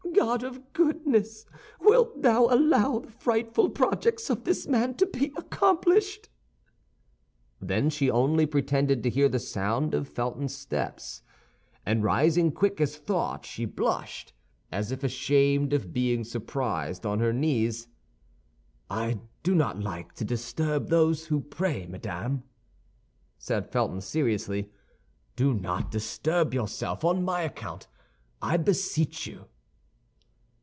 God of goodness! wilt thou allow the frightful projects of this man to be accomplished?" Then only she pretended to hear the sound of Felton's steps, and rising quick as thought, she blushed, as if ashamed of being surprised on her knees. "I do not like to disturb those who pray, madame," said Felton, seriously; "do not disturb yourself on my account, I beseech you."